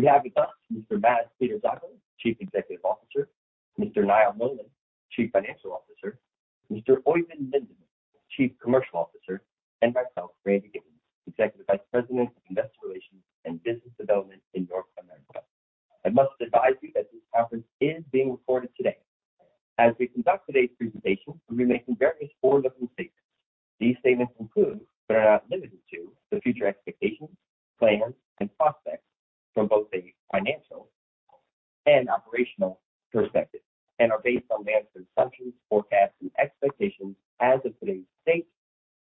We have with us Mr. Mads Peter Zacho, Chief Executive Officer, Mr. Niall Nolan, Chief Financial Officer, Mr. Oeyvind Lindeman, Chief Commercial Officer, and myself, Randall Giveans, Executive Vice President of Investor Relations and Business Development in North America. I must advise you that this conference is being recorded today. As we conduct today's presentation, we'll be making various forward-looking statements. These statements include, but are not limited to, the future expectations, plans, and prospects from both a financial and operational perspective, and are based on management's assumptions, forecasts, and expectations as of today's date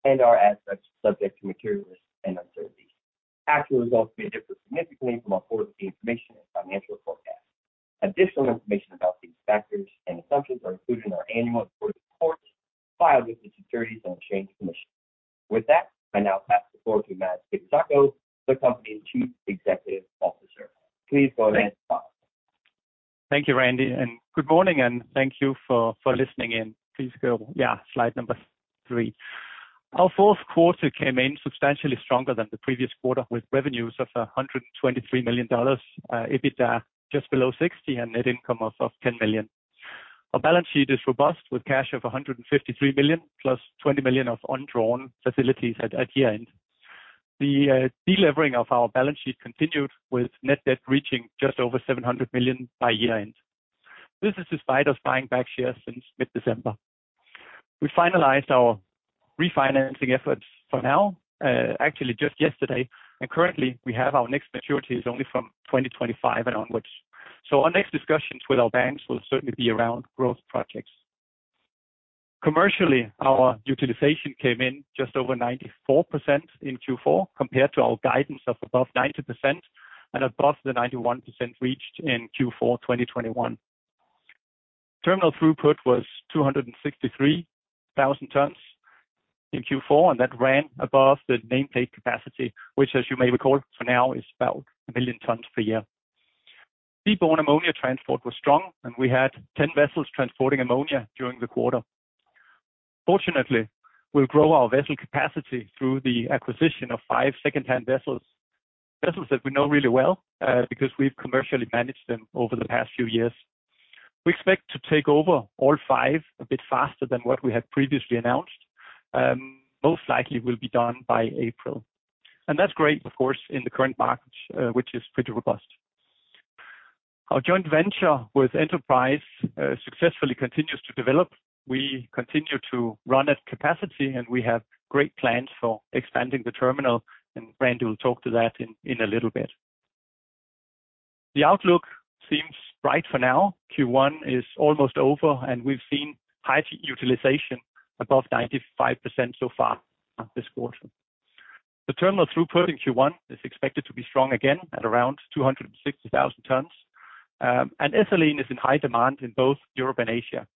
and are as such subject to material risks and uncertainties. Actual results may differ significantly from our forward-looking information and financial forecasts. Additional information about these factors and assumptions are included in our annual reports filed with the Securities and Exchange Commission. With that, I now pass the floor to Mads Peter Zacho, the company's Chief Executive Officer. Please go ahead, Mads. Thank you, Randy. Good morning, and thank you for listening in. Please go, slide number three. Our fourth quarter came in substantially stronger than the previous quarter, with revenues of $123 million, EBITDA just below $60 million, and net income of $10 million. Our balance sheet is robust, with cash of $153 million plus $20 million of undrawn facilities at year-end. The de-levering of our balance sheet continued with net debt reaching just over $700 million by year-end. This is despite us buying back shares since mid-December. We finalized our refinancing efforts for now, actually just yesterday. Currently we have our next maturities only from 2025 and onwards. Our next discussions with our banks will certainly be around growth projects. Commercially, our utilization came in just over 94% in Q4 compared to our guidance of above 90% and above the 91% reached in Q4, 2021. Terminal throughput was 263,000 tons in Q4, and that ran above the nameplate capacity which, as you may recall, for now is about 1 million tons per year. Seaborne ammonia transport was strong, and we had 10 vessels transporting ammonia during the quarter. Fortunately, we'll grow our vessel capacity through the acquisition of 5 secondhand vessels. Vessels that we know really well, because we've commercially managed them over the past few years. We expect to take over all 5 a bit faster than what we had previously announced. Most likely will be done by April. That's great, of course, in the current market, which is pretty robust. Our joint venture with Enterprise successfully continues to develop. We continue to run at capacity, and we have great plans for expanding the terminal, and Randy will talk to that in a little bit. The outlook seems bright for now. Q1 is almost over, and we've seen high utilization above 95% so far this quarter. The terminal throughput in Q1 is expected to be strong again at around 260,000 tons. Ethylene is in high demand in both Europe and Asia.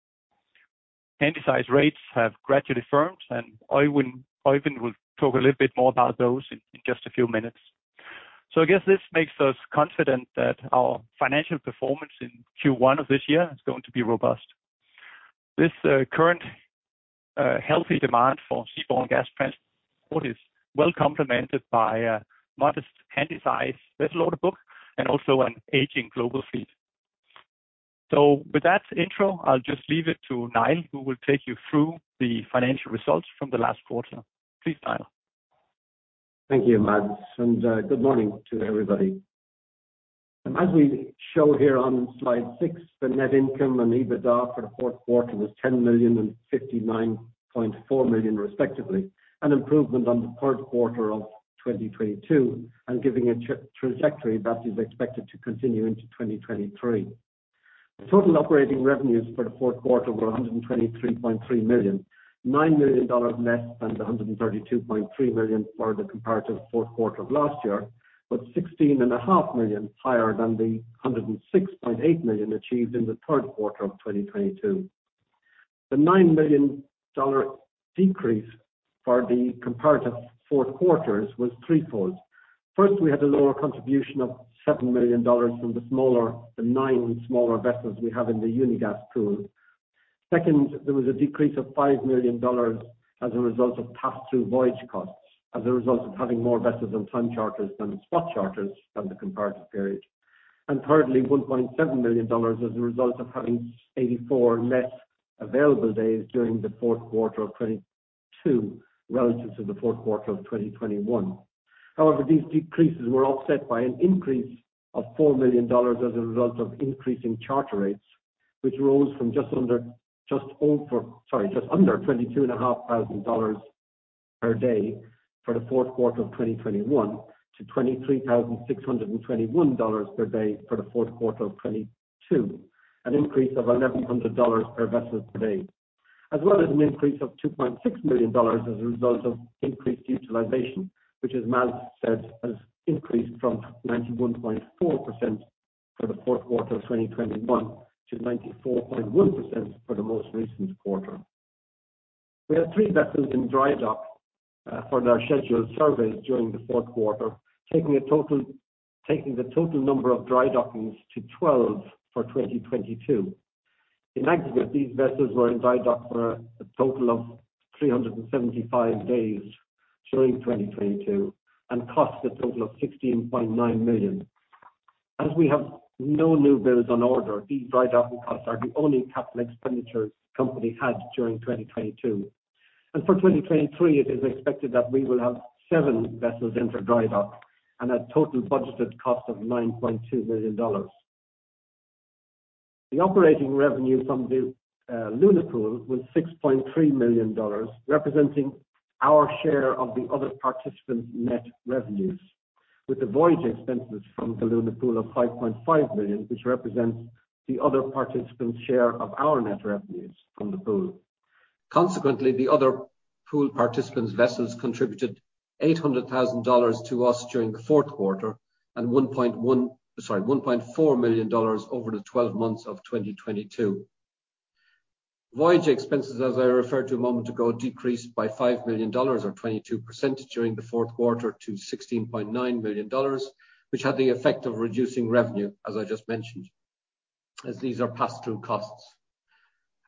Handysize rates have gradually firmed, and Oeyvind will talk a little bit more about those in just a few minutes. I guess this makes us confident that our financial performance in Q1 of this year is going to be robust. This current healthy demand for seaborne gas transport is well complemented by a modest handysize vessel order book and also an aging global fleet. With that intro, I'll just leave it to Niall, who will take you through the financial results from the last quarter. Please, Niall. Thank you, Mads, good morning to everybody. As we show here on slide 6, the net income and EBITDA for the fourth quarter was $10 million and $59.4 million, respectively, an improvement on the third quarter of 2022, and giving a trajectory that is expected to continue into 2023. The total operating revenues for the fourth quarter were $123.3 million, $9 million less than the $132.3 million for the comparative fourth quarter of last year, but $16.5 million higher than the $106.8 million achieved in the third quarter of 2022. The $9 million decrease for the comparative fourth quarters was threefold. First, we had a lower contribution of $7 million from the 9 smaller vessels we have in the Unigas pool. Second, there was a decrease of $5 million as a result of pass-through voyage costs as a result of having more vessels on time charters than spot charters than the comparative period. Thirdly, $1.7 million as a result of having 84 less available days during the fourth quarter of 2022 relative to the fourth quarter of 2021. However, these decreases were offset by an increase of $4 million as a result of increasing charter rates, which rose from just under twenty-two and a half thousand dollars per day for the fourth quarter of 2021 to $23,621 per day for the fourth quarter of 2022, an increase of $1,100 per vessel per day. An increase of $2.6 million as a result of increased utilization, which as Mads said, has increased from 91.4% for the fourth quarter of 2021 to 94.1% for the most recent quarter. We had three vessels in dry dock for their scheduled surveys during the fourth quarter, taking the total number of dry dockings to 12 for 2022. In aggregate, these vessels were in dry dock for a total of 375 days during 2022, and cost a total of $16.9 million. As we have no new builds on order, these dry docking costs are the only CapEx the company had during 2022. For 2023, it is expected that we will have seven vessels in for dry dock and a total budgeted cost of $9.2 million. The operating revenue from the Luna Pool was $6.3 million, representing our share of the other participants' net revenues. With the voyage expenses from the Luna Pool of $5.5 million, which represents the other participants' share of our net revenues from the pool. Consequently, the other pool participants' vessels contributed $800,000 to us during the fourth quarter and $1.1 million... sorry, $1.4 million over the 12 months of 2022. Voyage expenses, as I referred to a moment ago, decreased by $5 million or 22% during the fourth quarter to $16.9 million, which had the effect of reducing revenue, as I just mentioned, as these are pass-through costs.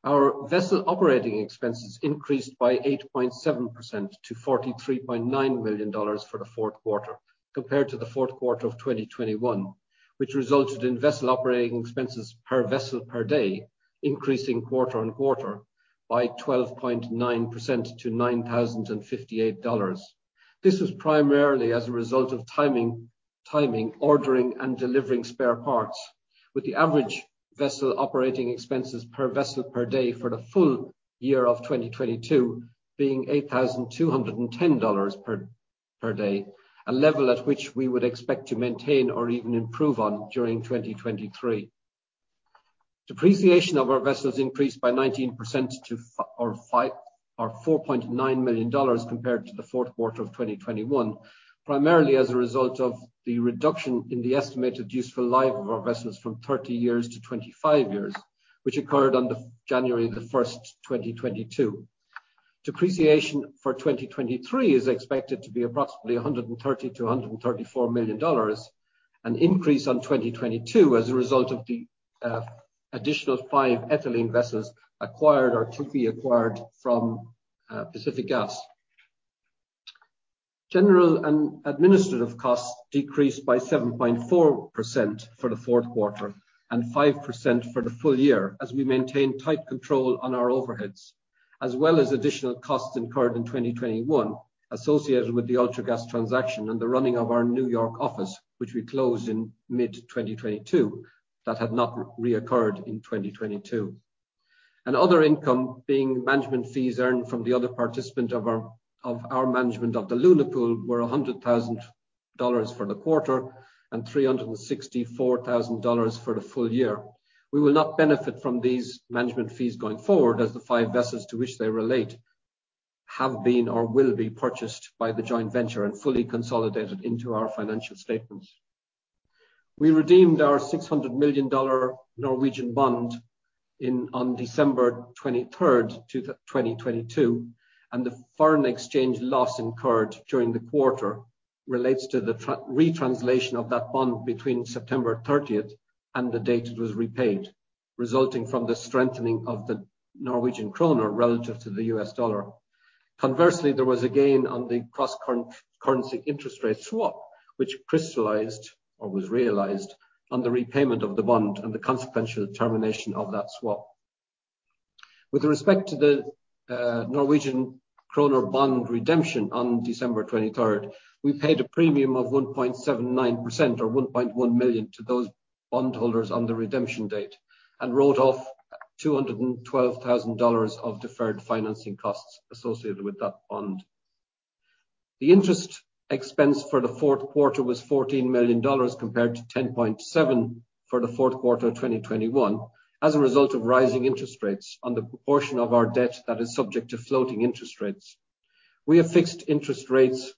Our vessel operating expenses increased by 8.7% to $43.9 million for the fourth quarter compared to the fourth quarter of 2021, which resulted in vessel operating expenses per vessel per day, increasing quarter-on-quarter by 12.9% to $9,058. This was primarily as a result of timing, ordering, and delivering spare parts, with the average vessel operating expenses per vessel per day for the full year of 2022 being $8,210 per day, a level at which we would expect to maintain or even improve on during 2023. Depreciation of our vessels increased by 19% to $4.9 million compared to the fourth quarter of 2021, primarily as a result of the reduction in the estimated useful life of our vessels from 30 years to 25 years, which occurred on January 1, 2022. Depreciation for 2023 is expected to be approximately $130 million-$134 million, an increase on 2022 as a result of the additional five ethylene vessels acquired or to be acquired from Pacific Gas. General and administrative costs decreased by 7.4% for the fourth quarter and 5% for the full year as we maintained tight control on our overheads, as well as additional costs incurred in 2021 associated with the Ultragas transaction and the running of our New York office, which we closed in mid-2022, that had not reoccurred in 2022. Other income being management fees earned from the other participant of our management of the Luna Pool were $100,000 for the quarter and $364,000 for the full year. We will not benefit from these management fees going forward as the 5 vessels to which they relate have been or will be purchased by the joint venture and fully consolidated into our financial statements. We redeemed our NOK 600 million Norwegian bond on December 23, 2022, and the foreign exchange loss incurred during the quarter relates to the retranslation of that bond between September 30 and the date it was repaid, resulting from the strengthening of the Norwegian krone relative to the US dollar. Conversely, there was a gain on the cross-currency interest rate swap, which crystallized or was realized on the repayment of the bond and the consequential termination of that swap. With respect to the Norwegian krone bond redemption on December 23rd, we paid a premium of 1.79% or $1.1 million to those bondholders on the redemption date and wrote off $212,000 of deferred financing costs associated with that bond. The interest expense for the fourth quarter was $14 million compared to $10.7 million for the fourth quarter of 2021 as a result of rising interest rates on the proportion of our debt that is subject to floating interest rates. We have fixed interest rates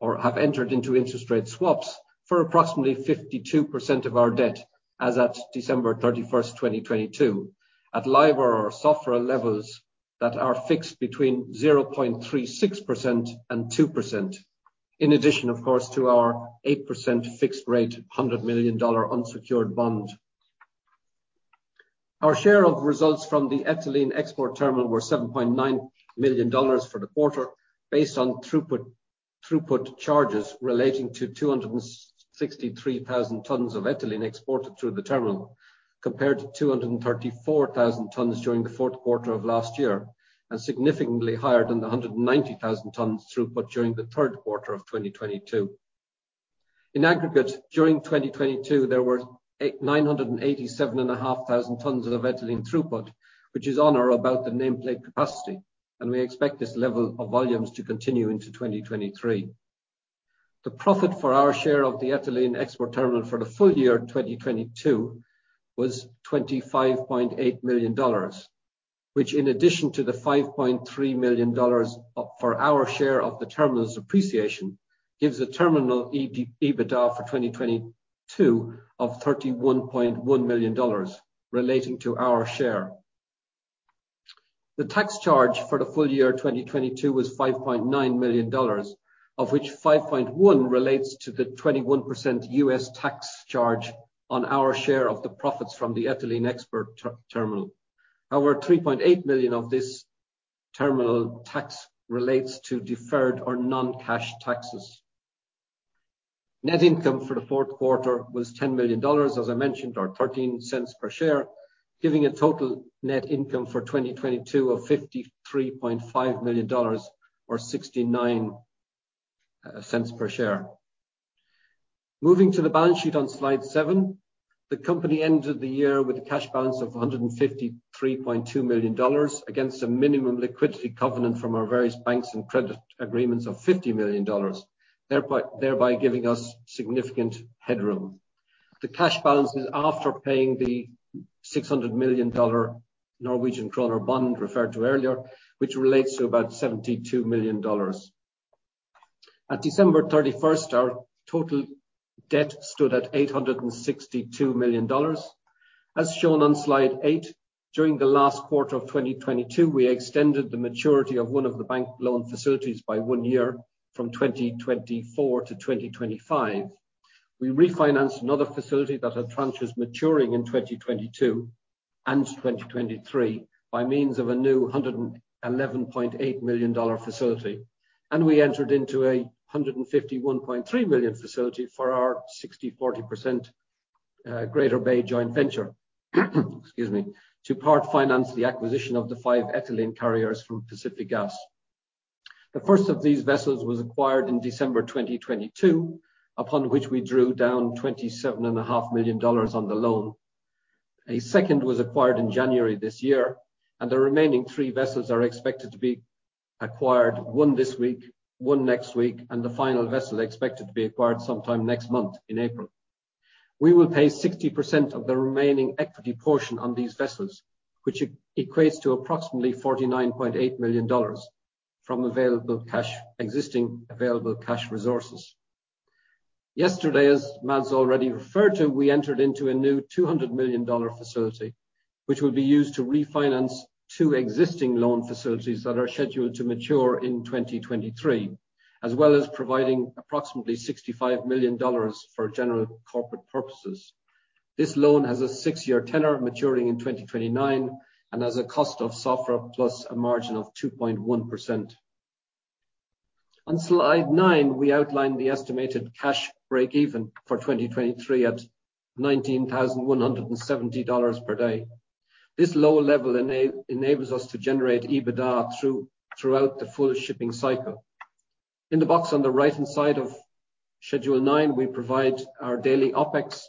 or have entered into interest rate swaps for approximately 52% of our debt as at December 31st, 2022, at LIBOR or SOFR levels that are fixed between 0.36% and 2%. In addition, of course, to our 8% fixed rate, $100 million unsecured bond. Our share of results from the ethylene export terminal were $7.9 million for the quarter, based on throughput charges relating to 263,000 tons of ethylene exported through the terminal, compared to 234,000 tons during the fourth quarter of last year, and significantly higher than the 190,000 tons throughput during the third quarter of 2022. In aggregate, during 2022, there were 987,500 tons of ethylene throughput, which is on or about the nameplate capacity, and we expect this level of volumes to continue into 2023. The profit for our share of the ethylene export terminal for the full year 2022 was $25.8 million, which in addition to the $5.3 million of, for our share of the terminal's depreciation, gives a terminal EBITDA for 2022 of $31.1 million relating to our share. The tax charge for the full year 2022 was $5.9 million, of which 5.1 relates to the 21% U.S. tax charge on our share of the profits from the ethylene export terminal. However, $3.8 million of this terminal tax relates to deferred or non-cash taxes. Net income for the fourth quarter was $10 million, as I mentioned, or $0.13 per share, giving a total net income for 2022 of $53.5 million or $0.69 per share. Moving to the balance sheet on slide 7. The company ended the year with a cash balance of $153.2 million against a minimum liquidity covenant from our various banks and credit agreements of $50 million, thereby giving us significant headroom. The cash balance is after paying the six hundred million dollar Norwegian Kroner bond referred to earlier, which relates to about $72 million. At December 31st, our total debt stood at $862 million. As shown on slide 8, during the last quarter of 2022, we extended the maturity of one of the bank loan facilities by one year from 2024 to 2025. We refinanced another facility that had tranches maturing in 2022 and 2023 by means of a new $111.8 million facility. We entered into a $151.3 million facility for our 60-40% Greater Bay joint venture, excuse me, to part finance the acquisition of the five ethylene carriers from Pacific Gas. The first of these vessels was acquired in December 2022, upon which we drew down $ twenty-seven and a half million dollars on the loan. A second was acquired in January this year, and the remaining three vessels are expected to be acquired, one this week, one next week, and the final vessel expected to be acquired sometime next month in April. We will pay 60% of the remaining equity portion on these vessels, which equates to approximately $49.8 million from available cash, existing available cash resources. Yesterday, as Mads already referred to, we entered into a new $200 million facility, which will be used to refinance two existing loan facilities that are scheduled to mature in 2023, as well as providing approximately $65 million for general corporate purposes. This loan has a 6-year tenor maturing in 2029 and has a cost of SOFR plus a margin of 2.1%. On slide 9, we outlined the estimated cash break even for 2023 at $19,170 per day. This lower level enables us to generate EBITDA throughout the full shipping cycle. In the box on the right-hand side of schedule nine, we provide our daily OpEx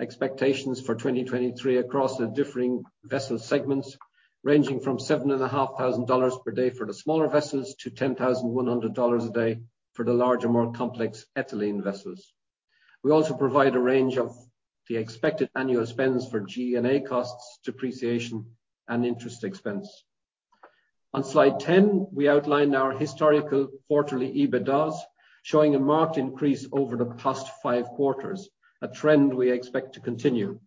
expectations for 2023 across the differing vessel segments, ranging from $7,500 per day for the smaller vessels to $10,100 a day for the larger, more complex ethylene vessels. We also provide a range of the expected annual spends for G&A costs, depreciation, and interest expense. On Slide 10, we outline our historical quarterly EBITDAs, showing a marked increase over the past five quarters, a trend we expect to continue.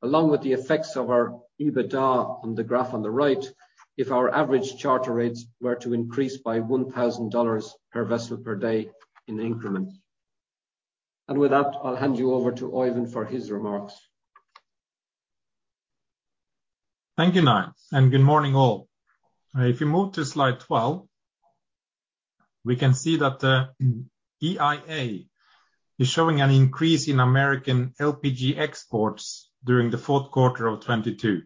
Along with the effects of our EBITDA on the graph on the right, if our average charter rates were to increase by $1,000 per vessel per day in increments. With that, I'll hand you over to Oeyvind for his remarks. Thank you, Niall. Good morning, all. If you move to slide 12, we can see that EIA is showing an increase in American LPG exports during the fourth quarter of 2022,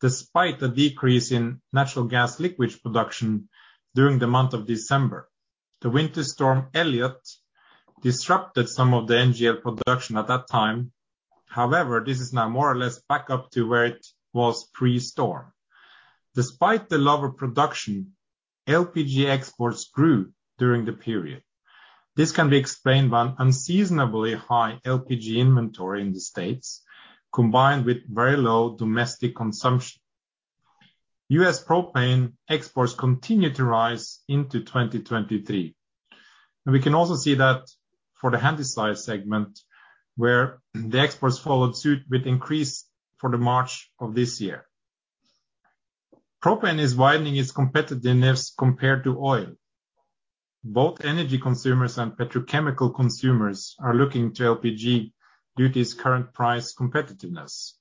despite a decrease in natural gas liquid production during the month of December. The winter storm, Elliott, disrupted some of the NGL production at that time. However, this is now more or less back up to where it was pre-storm. Despite the lower production, LPG exports grew during the period. This can be explained by an unseasonably high LPG inventory in the States, combined with very low domestic consumption. U.S. propane exports continued to rise into 2023. We can also see that for the handysize segment where the exports followed suit with increase for the March of this year. Propane is widening its competitiveness compared to oil. Both energy consumers and petrochemical consumers are looking to LPG due to its current price competitiveness.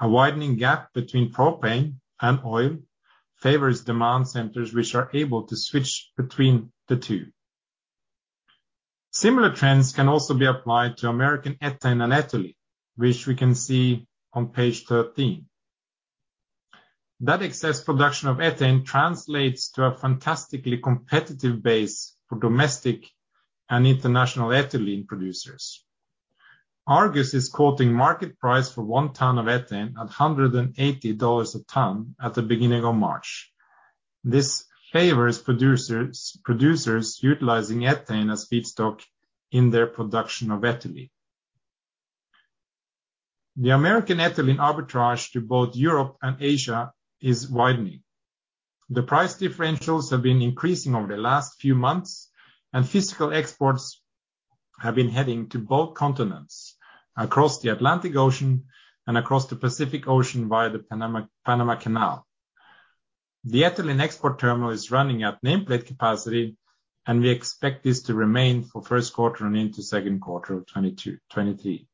A widening gap between propane and oil favors demand centers which are able to switch between the two. Similar trends can also be applied to American ethane and ethylene, which we can see on page 13. Excess production of ethane translates to a fantastically competitive base for domestic and international ethylene producers. Argus is quoting market price for 1 ton of ethane at $180 a ton at the beginning of March. This favors producers utilizing ethane as feedstock in their production of ethylene. The American ethylene arbitrage to both Europe and Asia is widening. The price differentials have been increasing over the last few months, physical exports have been heading to both continents across the Atlantic Ocean and across the Pacific Ocean via the Panama Canal. The ethylene export terminal is running at nameplate capacity. We expect this to remain for first quarter and into second quarter of 2023.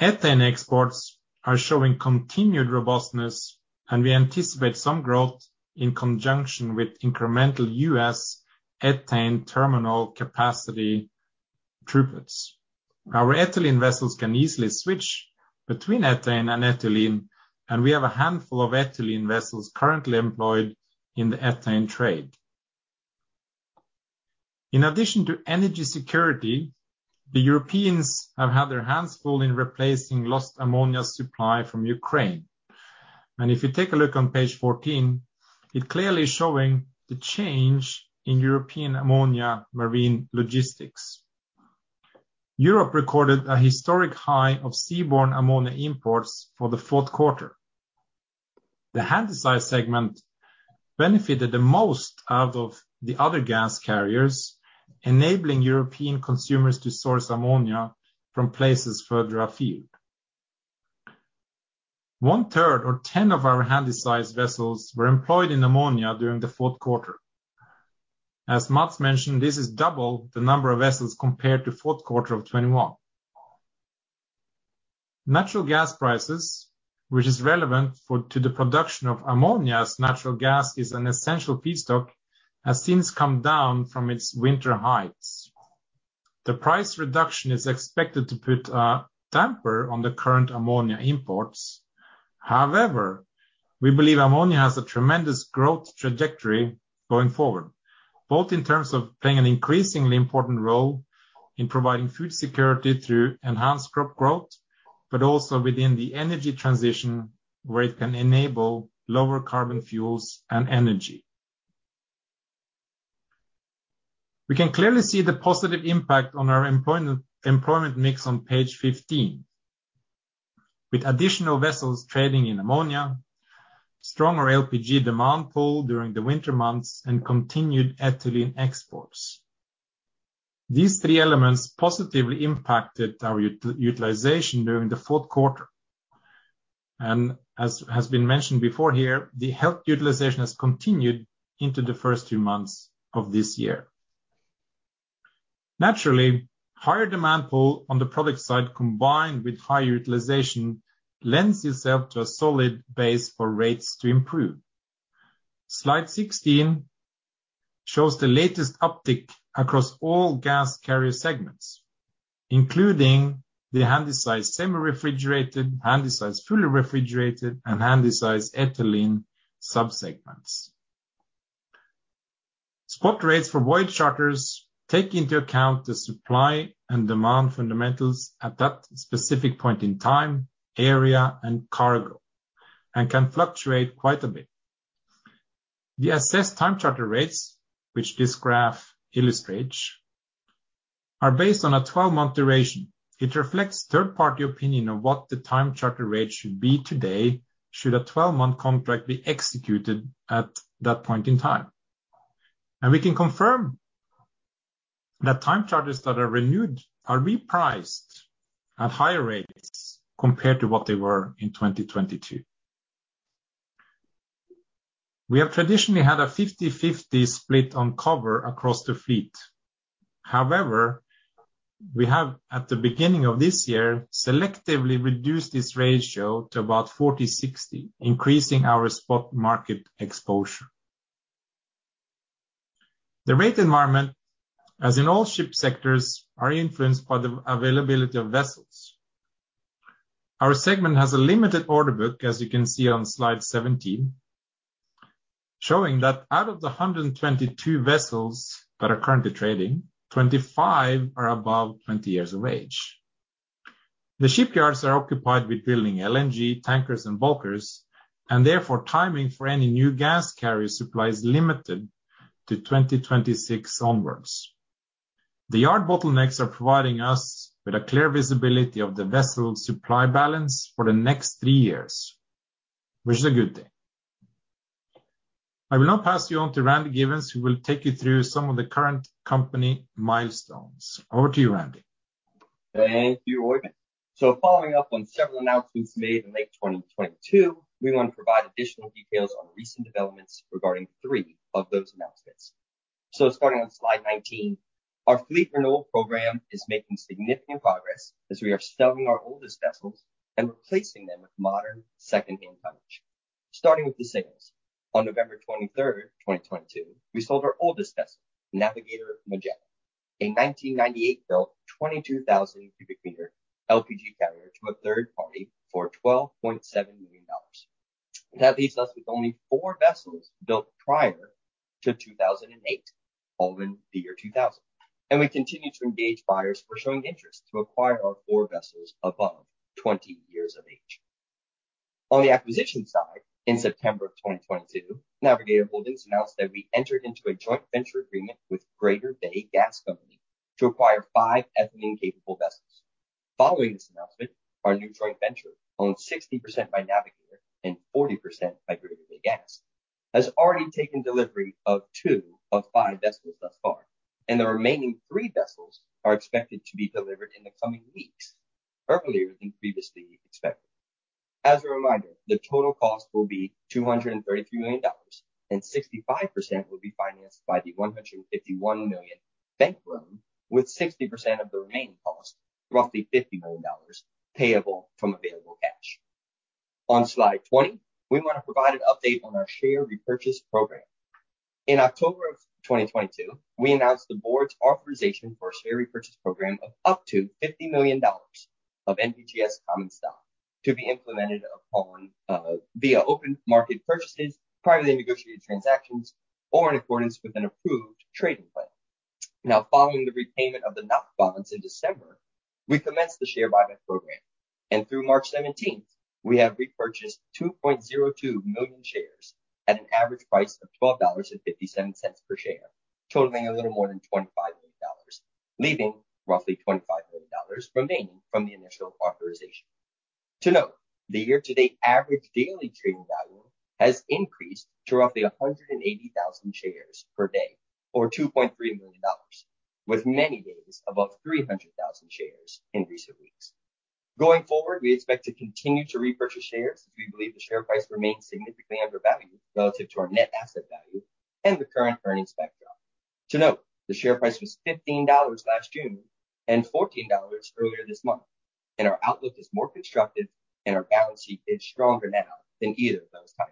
Ethane exports are showing continued robustness. We anticipate some growth in conjunction with incremental U.S. ethane terminal capacity throughputs. Our ethylene vessels can easily switch between ethane and ethylene. We have a handful of ethylene vessels currently employed in the ethane trade. In addition to energy security, the Europeans have had their hands full in replacing lost ammonia supply from Ukraine. If you take a look on page 14, it clearly showing the change in European ammonia marine logistics. Europe recorded a historic high of seaborne ammonia imports for the fourth quarter. The handysize segment benefited the most out of the other gas carriers, enabling European consumers to source ammonia from places further afield. One-third or ten of our handysize vessels were employed in ammonia during the fourth quarter. As Mads mentioned, this is double the number of vessels compared to fourth quarter of 2021. Natural gas prices, which is relevant for the production of ammonia as natural gas is an essential feedstock, has since come down from its winter heights. The price reduction is expected to put a damper on the current ammonia imports. We believe ammonia has a tremendous growth trajectory going forward, both in terms of playing an increasingly important role in providing food security through enhanced crop growth, but also within the energy transition, where it can enable lower carbon fuels and energy. We can clearly see the positive impact on our employment mix on page 15, with additional vessels trading in ammonia, stronger LPG demand pool during the winter months, and continued ethylene exports. These three elements positively impacted our utilization during the fourth quarter. As has been mentioned before here, the utilization has continued into the first two months of this year. Naturally, higher demand pool on the product side, combined with higher utilization, lends itself to a solid base for rates to improve. Slide 16 shows the latest uptick across all gas carrier segments, including the handysize semi-refrigerated, handysize fully refrigerated, and handysize ethylene subsegments. Spot rates for voyage charters take into account the supply and demand fundamentals at that specific point in time, area and cargo, and can fluctuate quite a bit. The assessed time charter rates, which this graph illustrates, are based on a 12-month duration. It reflects third-party opinion on what the time charter rate should be today, should a 12-month contract be executed at that point in time. We can confirm that time charters that are renewed are repriced at higher rates compared to what they were in 2022. We have traditionally had a 50/50 split on cover across the fleet. However, we have, at the beginning of this year, selectively reduced this ratio to about 40/60, increasing our spot market exposure. The rate environment, as in all ship sectors, are influenced by the availability of vessels. Our segment has a limited order book, as you can see on slide 17, showing that out of the 122 vessels that are currently trading, 25 are above 20 years of age. The shipyards are occupied with building LNG tankers and bulkers, and therefore timing for any new gas carrier supply is limited to 2026 onwards. The yard bottlenecks are providing us with a clear visibility of the vessel supply balance for the next three years, which is a good thing. I will now pass you on to Randy Giveans, who will take you through some of the current company milestones. Over to you, Randy. Thank you, Oeyvind. Following up on several announcements made in late 2022, we want to provide additional details on recent developments regarding three of those announcements. Starting on slide 19, our fleet renewal program is making significant progress as we are selling our oldest vessels and replacing them with modern second-hand tonnage. Starting with the sales. On November 23rd, 2022, we sold our oldest vessel, Navigator Magellan, a 1998 built 22,000 cubic meter LPG carrier, to a third party for $12.7 million. That leaves us with only four vessels built prior to 2008, all in the year 2000. We continue to engage buyers who are showing interest to acquire our four vessels above 20 years of age. On the acquisition side, in September of 2022, Navigator Holdings announced that we entered into a joint venture agreement with Greater Bay Gas Company to acquire 5 ethylene-capable vessels. Following this announcement, our new joint venture, owned 60% by Navigator and 40% by Greater Bay Gas, has already taken delivery of 2 of 5 vessels thus far, and the remaining Three vessels are expected to be delivered in the coming weeks, earlier than previously expected. As a reminder, the total cost will be $233 million, and 65% will be financed by the $151 million bank loan, with 60% of the remaining cost, roughly $50 million, payable from available cash. On slide 20, we want to provide an update on our share repurchase program. In October of 2022, we announced the board's authorization for a share repurchase program of up to $50 million of NVGS common stock to be implemented via open market purchases, privately negotiated transactions, or in accordance with an approved trading plan. Following the repayment of the NOK bonds in December, we commenced the share buyback program. Through March 17th, we have repurchased 2.02 million shares at an average price of $12.57 per share, totaling a little more than $25 million, leaving roughly $25 million remaining from the initial authorization. To note, the year-to-date average daily trading volume has increased to roughly 180,000 shares per day, or $2.3 million, with many days above 300,000 shares in recent weeks. Going forward, we expect to continue to repurchase shares as we believe the share price remains significantly undervalued relative to our net asset value and the current earnings backdrop. To note, the share price was $15 last June and $14 earlier this month, and our outlook is more constructive and our balance sheet is stronger now than either of those time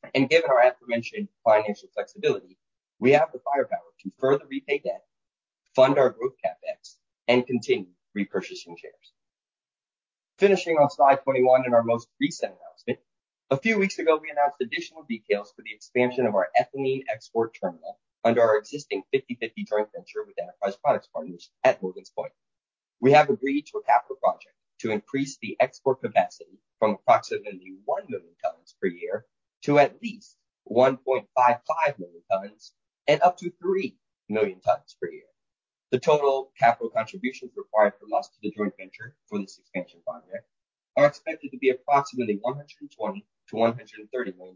frames. Given our aforementioned financial flexibility, we have the firepower to further repay debt, fund our growth CapEx, and continue repurchasing shares. Finishing on slide 21 and our most recent announcement, a few weeks ago, we announced additional details for the expansion of our ethylene export terminal under our existing 50/50 joint venture with Enterprise Products Partners at Morgan's Point. We have agreed to a capital project to increase the export capacity from approximately 1 million tons per year to at least 1.55 million tons and up to 3 million tons per year. The total capital contributions required from us to the joint venture for this expansion project are expected to be approximately $120 million-$130 million,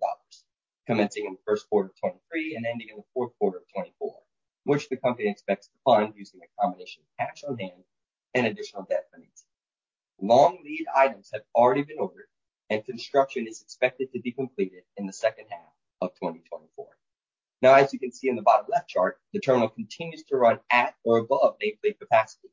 commencing in the first quarter of 2023 and ending in the fourth quarter of 2024, which the company expects to fund using a combination of cash on hand and additional debt financing. Long lead items have already been ordered, and construction is expected to be completed in the second half of 2024. As you can see in the bottom left chart, the terminal continues to run at or above nameplate capacity,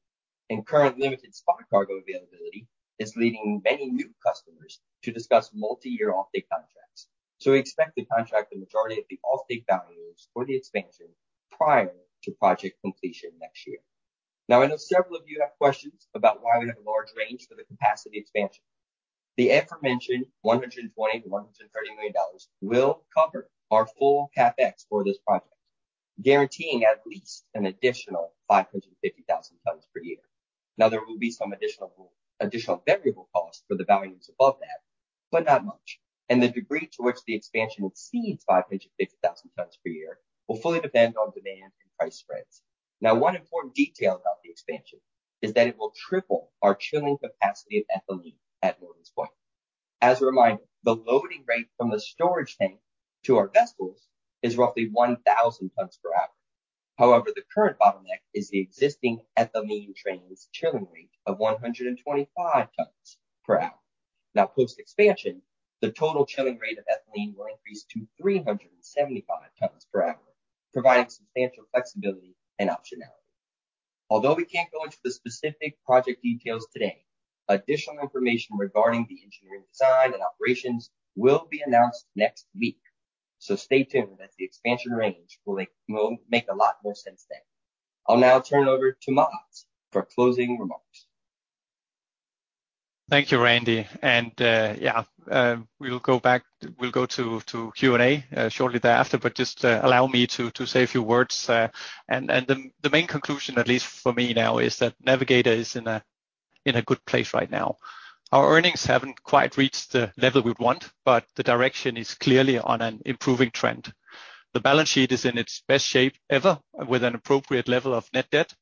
current limited spot cargo availability is leading many new customers to discuss multi-year offtake contracts. We expect to contract the majority of the offtake values for the expansion prior to project completion next year. I know several of you have questions about why we have a large range for the capacity expansion. The aforementioned $120 million-$130 million will cover our full CapEx for this project, guaranteeing at least an additional 550,000 tons per year. There will be some additional variable costs for the volumes above that, but not much. The degree to which the expansion exceeds 550,000 tons per year will fully depend on demand and price spreads. One important detail about the expansion is that it will triple our chilling capacity of ethylene at Morgan's Point. As a reminder, the loading rate from the storage tank to our vessels is roughly 1,000 tons per hour. The current bottleneck is the existing ethylene train's chilling rate of 125 tons per hour. Post-expansion, the total chilling rate of ethylene will increase to 375 tons per hour, providing substantial flexibility and optionality. We can't go into the specific project details today, additional information regarding the engineering design and operations will be announced next week. Stay tuned as the expansion range will make a lot more sense then. I'll now turn it over to Mads for closing remarks. Thank you, Randy. We will go back. We'll go to Q&A shortly thereafter, but just allow me to say a few words. The main conclusion, at least for me now, is that Navigator is in a good place right now. Our earnings haven't quite reached the level we'd want, but the direction is clearly on an improving trend. The balance sheet is in its best shape ever, with an appropriate level of net debt.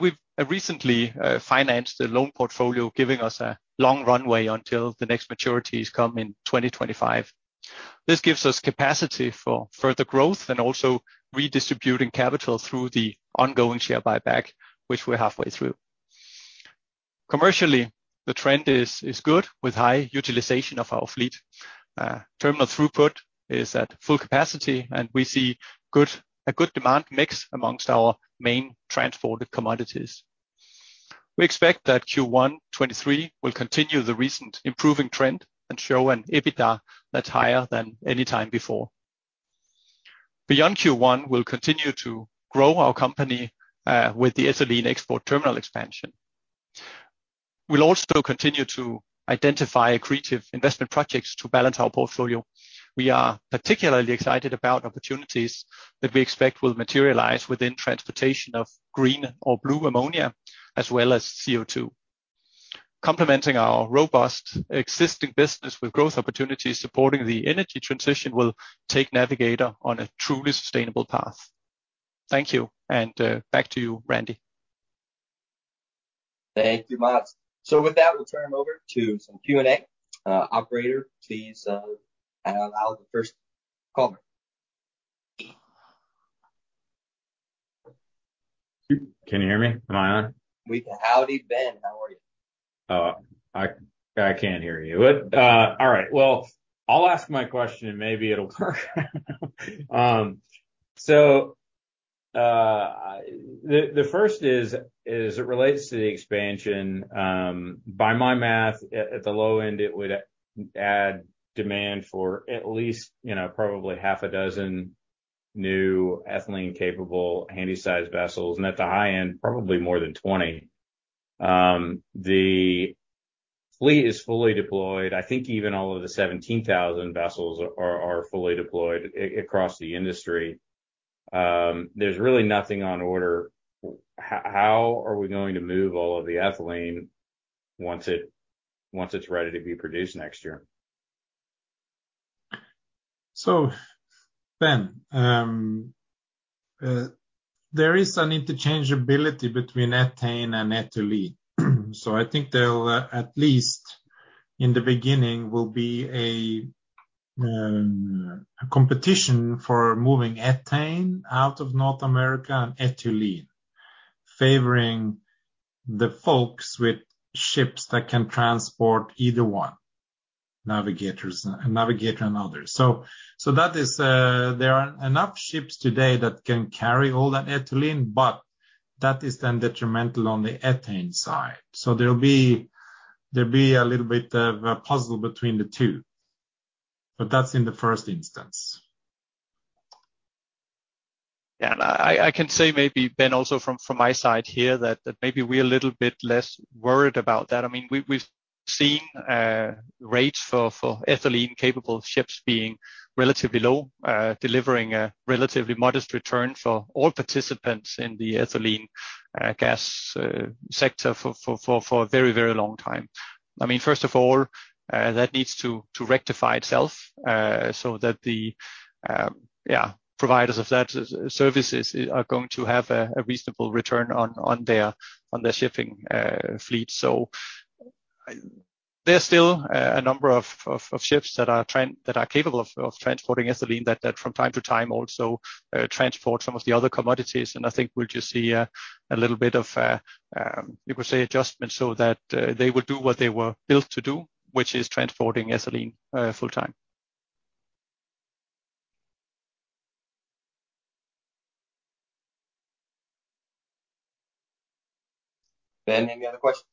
We've recently financed the loan portfolio, giving us a long runway until the next maturities come in 2025. This gives us capacity for further growth and also redistributing capital through the ongoing share buyback, which we're halfway through. Commercially, the trend is good with high utilization of our fleet. Terminal throughput is at full capacity. We see a good demand mix amongst our main transported commodities. We expect that Q1 2023 will continue the recent improving trend and show an EBITDA that's higher than any time before. Beyond Q1, we'll continue to grow our company with the ethylene export terminal expansion. We'll also continue to identify creative investment projects to balance our portfolio. We are particularly excited about opportunities that we expect will materialize within transportation of green or blue ammonia, as well as CO2. Complementing our robust existing business with growth opportunities supporting the energy transition will take Navigator on a truly sustainable path. Thank you. Back to you, Randy. Thank you, Mads. With that, we'll turn over to some Q&A. Operator, please, allow the first caller. Can you hear me? Am I on? We can. Howdy, Ben. How are you? I can't hear you. All right. Well, I'll ask my question and maybe it'll work. The first is, as it relates to the expansion, by my math at the low end, it would add demand for at least, you know, probably half a dozen new ethylene-capable handysize vessels, and at the high end, probably more than 20. The fleet is fully deployed. I think even all of the 17,000 vessels are fully deployed across the industry. There's really nothing on order. How are we going to move all of the ethylene once it's ready to be produced next year? Ben, there is an interchangeability between ethane and ethylene. I think there'll at least in the beginning will be a competition for moving ethane out of North America and ethylene, favoring the folks with ships that can transport either one, Navigator and others. That is, there are enough ships today that can carry all that ethylene, but that is then detrimental on the ethane side. There'll be a little bit of a puzzle between the two. That's in the first instance. I can say maybe, Ben, also from my side here that maybe we're a little bit less worried about that. We've seen rates for ethylene-capable ships being relatively low, delivering a relatively modest return for all participants in the ethylene gas sector for a very long time. First of all, that needs to rectify itself so that the, yeah, providers of that services are going to have a reasonable return on their shipping fleet. There's still a number of ships that are capable of transporting ethylene that from time to time also transport some of the other commodities. I think we'll just see a little bit of, you could say, adjustment so that they will do what they were built to do, which is transporting ethylene full-time. Ben, any other questions?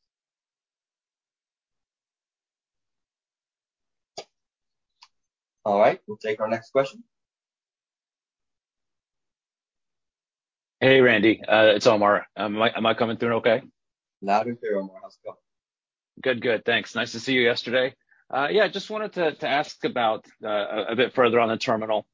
All right, we'll take our next question. Hey, Randy. It's Omar. Am I coming through okay? Loud and clear, Omar. How's it going? Good. Thanks. Nice to see you yesterday. Yeah, just wanted to ask about a bit further on the terminal.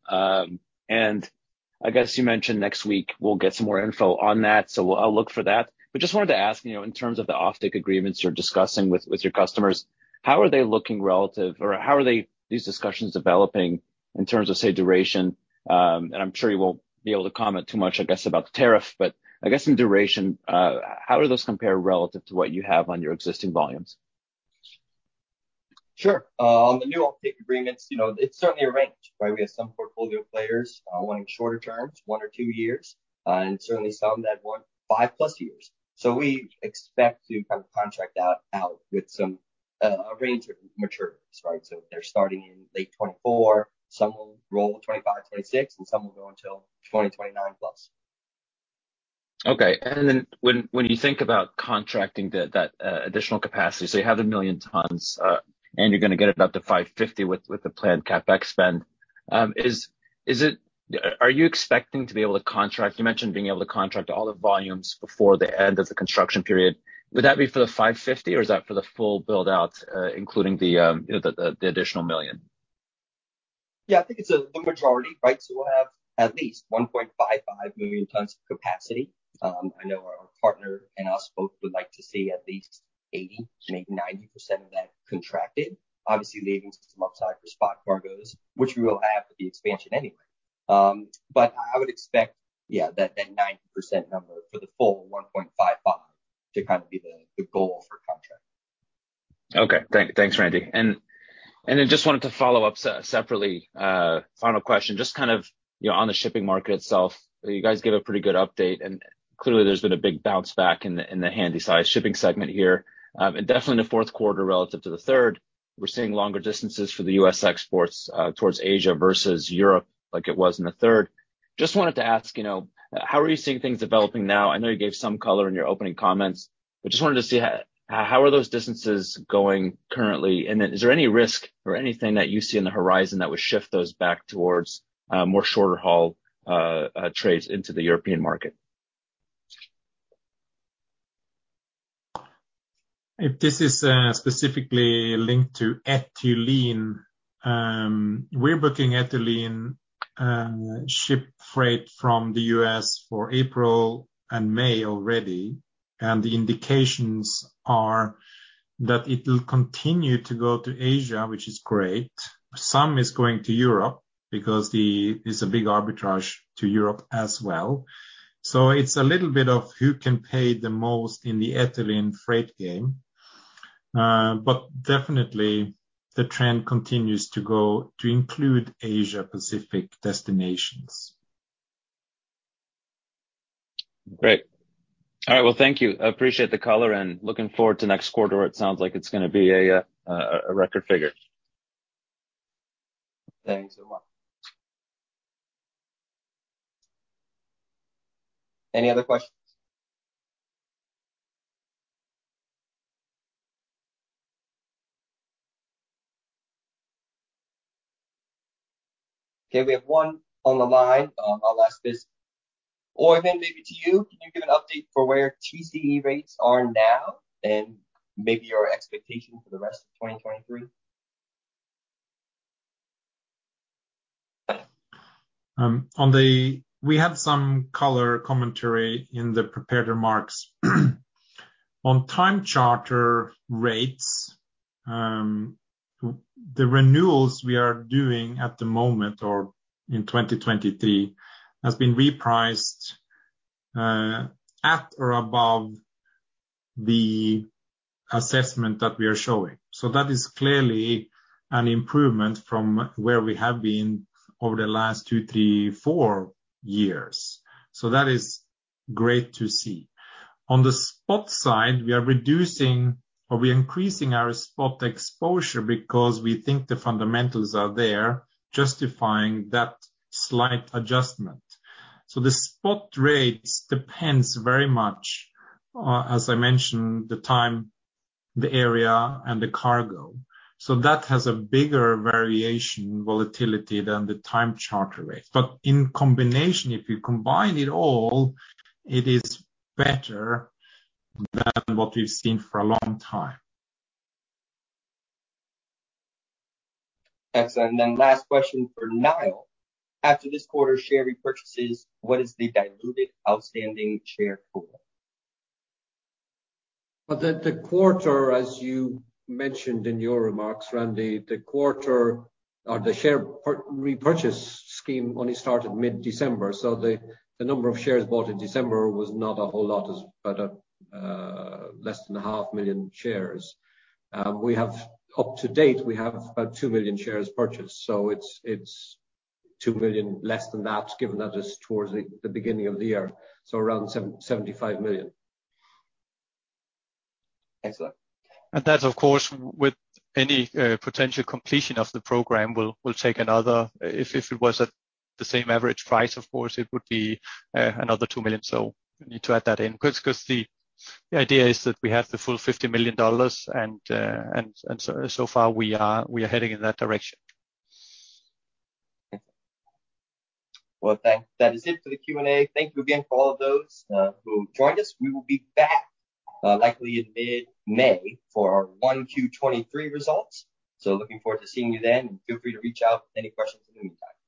I guess you mentioned next week we'll get some more info on that, so I'll look for that. Just wanted to ask, you know, in terms of the offtake agreements you're discussing with your customers, how are they looking relative or how are they, these discussions developing in terms of, say, duration? I'm sure you won't be able to comment too much, I guess, about the tariff, but I guess in duration, how do those compare relative to what you have on your existing volumes? Sure. On the new offtake agreements, you know, it's certainly a range, right? We have some portfolio players, wanting shorter terms, One or Two years, and certainly some that want 5+ years. We expect to kind of contract that out with some, a range of maturities, right? They're starting in late 2024, some will roll 2025, 2026, and some will go until 2029+. Okay. When, when you think about contracting the, that additional capacity, so you have the 1 million tons, and you're gonna get it up to 550 with the planned CapEx spend, are you expecting to be able to contract? You mentioned being able to contract all the volumes before the end of the construction period. Would that be for the 550 or is that for the full build-out, including the, you know, the additional 1 million? I think it's the majority, right? We'll have at least 1.55 million tons of capacity. I know our partner and us both would like to see at least 80%-90% of that contracted. Obviously, leaving some upside for spot cargoes, which we will have with the expansion anyway. I would expect, yeah, that 90% number for the full 1.55 to kind of be the goal for contract. Okay. Thanks, Randy. Then just wanted to follow up separately. Final question, just kind of, you know, on the shipping market itself, you guys gave a pretty good update, and clearly there's been a big bounce back in the handysize shipping segment here. Definitely in the fourth quarter relative to the third, we're seeing longer distances for the U.S. exports towards Asia versus Europe like it was in the third. Just wanted to ask, you know, how are you seeing things developing now? I know you gave some color in your opening comments, but just wanted to see how are those distances going currently? Then is there any risk or anything that you see on the horizon that would shift those back towards more shorter haul trades into the European market? If this is specifically linked to ethylene, we're booking ethylene ship freight from the U.S. for April and May already, the indications are that it'll continue to go to Asia, which is great. Some is going to Europe because the. It's a big arbitrage to Europe as well. It's a little bit of who can pay the most in the ethylene freight game. Definitely the trend continues to go to include Asia-Pacific destinations. Great. All right, well, thank you. I appreciate the color, and looking forward to next quarter. It sounds like it's gonna be a record figure. Thanks so much. Any other questions? We have one on the line. I'll ask this. Oeyvind, maybe to you. Can you give an update for where TCE rates are now and maybe your expectation for the rest of 2023? We have some color commentary in the prepared remarks. On time charter rates, the renewals we are doing at the moment or in 2023 has been repriced at or above the assessment that we are showing. That is clearly an improvement from where we have been over the last Two, Three, Four years. That is great to see. On the spot side, we are reducing or we're increasing our spot exposure because we think the fundamentals are there justifying that slight adjustment. The spot rates depends very much, as I mentioned, the time, the area, and the cargo. That has a bigger variation volatility than the time charter rate. In combination, if you combine it all, it is better than what we've seen for a long time. Excellent. Last question for Niall. After this quarter share repurchases, what is the diluted outstanding share pool? The quarter, as you mentioned in your remarks, Randy, the quarter or the share repurchase scheme only started mid-December. The number of shares bought in December was not a whole lot, is but less than a half million shares. Up to date, we have about 2 million shares purchased, so it's 2 million, less than that, given that it's towards the beginning of the year, so around 75 million. Excellent. That, of course, with any potential completion of the program will take another. If it was at the same average price, of course, it would be another 2 million. We need to add that in. 'Cause the idea is that we have the full $50 million, and so far we are heading in that direction. Well, that is it for the Q&A. Thank you again for all of those who joined us. We will be back likely in mid-May for our 1Q 23 results. Looking forward to seeing you then. Feel free to reach out with any questions in the meantime. Bye.